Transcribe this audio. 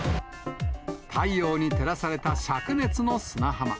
太陽に照らされたしゃく熱の砂浜。